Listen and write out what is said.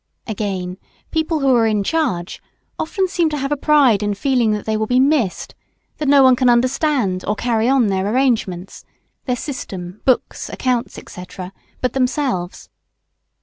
Again, people who are in charge often seem to have a pride in feeling that they will be "missed," that no one can understand or carry on their arrangements, their system, books, accounts, &c., but themselves.